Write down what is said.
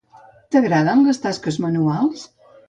T'agraden les tasques manuals?